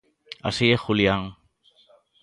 Así é Julian.